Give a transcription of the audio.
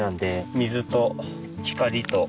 水と光と土。